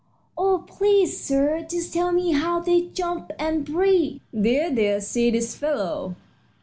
"Oh, please, sir, just tell me how they jump and breathe." "Dear, dear, see this fellow!"